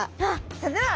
それでは。